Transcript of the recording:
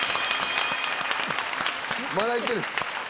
まだいってる！